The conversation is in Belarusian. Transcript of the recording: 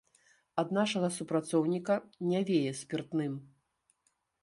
Ад нашага супрацоўніка не вее спіртным.